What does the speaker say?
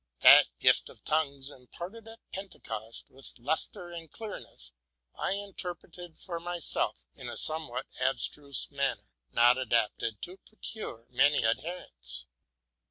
That gift of tongues imparted at Pentecost with lustre and clearness, I interpreted for myself in a somewhat abstruse manner, not adapted to procure many adherents.